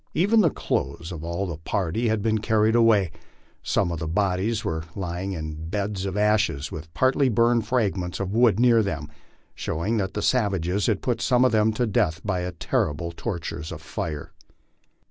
Even the clothes of all the party had been carried away ; some of the bodies were lying in beds of ashes, with partly burned fragments of wood near them, showing that the savages had put some of them to death by the terrible tortures of fire.